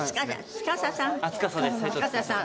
司さん。